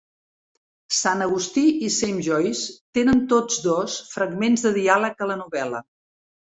Sant Agustí i James Joyce tenen tots dos fragments de diàleg a la novel·la.